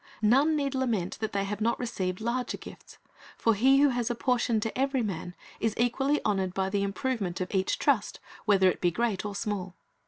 None need lament that they have not received larger gifts; for He who has apportioned to every man, is equally honored by the improvement of each trust, whether it be great or small.